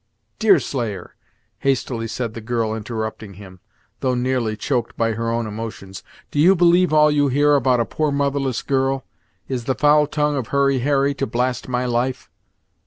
"Deerslayer!" hastily said the girl, interrupting him, though nearly choked by her own emotions; "do you believe all you hear about a poor, motherless girl? Is the foul tongue of Hurry Harry to blast my life?"